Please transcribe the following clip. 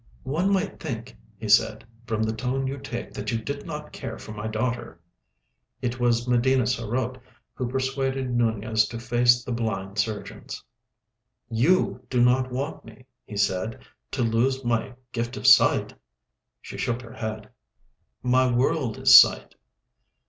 "One might think," he said, "from the tone you take that you did not care for my daughter." It was Medina sarote who persuaded Nunez to face the blind surgeons. "You do not want me," he said, "to lose my gift of sight?" She shook her head. "My world is sight."